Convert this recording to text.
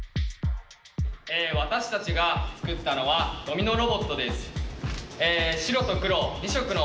え私たちが作ったのはドミノロボットです。